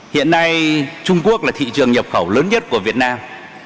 hiện nay trung quốc là thị trường nhập khẩu lớn nhất của việt nam